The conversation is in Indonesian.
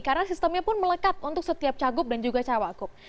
karena sistemnya pun melekat untuk setiap cagup dan juga cawagup